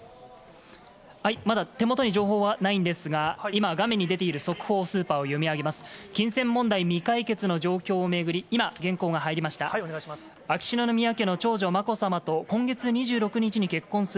まだ手元に情報はないんですが、今、画面に出ている速報スーパーを読み上げます。